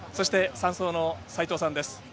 ３走の齋藤さんです。